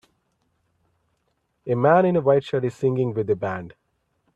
A man in a white shirt is singing with a band.